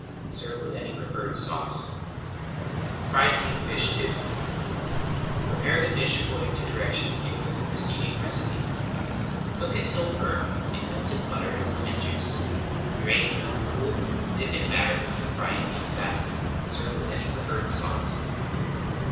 Serve with any preferred sauce. [Page 206] FRIED KING FISH II Prepare the fish according to directions given in the preceding recipe. Cook until firm in melted butter and lemon juice. Drain, cool, dip in batter, and fry in deep fat. Serve with any preferred sauce.